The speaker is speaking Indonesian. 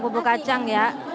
bumbu kacang ya